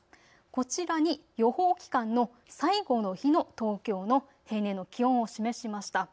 こちらに予報期間の最後の日の東京の平年の気温を示しました。